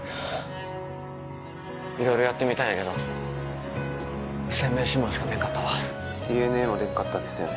色々やってみたんやけど不鮮明指紋しか出んかったわＤＮＡも出んかったんですよね